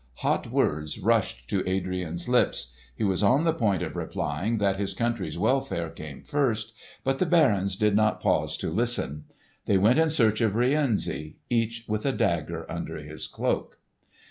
Hot words rushed to Adrian's lips. He was on the point of replying that his country's welfare came first; but the barons did not pause to listen. They went in search of Rienzi, each with a dagger under his cloak.